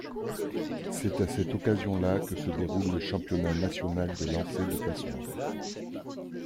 C'est à cette occasion-là, que se déroule le Championnat National de Lancer de Passoires.